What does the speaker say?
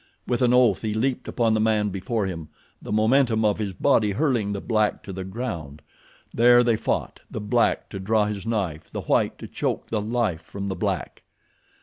With an oath he leaped upon the man before him, the momentum of his body hurling the black to the ground. There they fought, the black to draw his knife, the white to choke the life from the black.